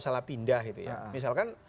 salah pindah misalkan